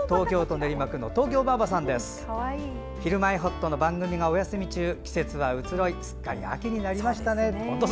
「ひるまえほっと」の番組がお休み中季節は移ろいすっかり秋になりましたね。